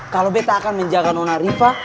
kalau beta akan menjaga nona riva